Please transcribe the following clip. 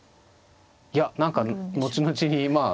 いや何か後々にまあ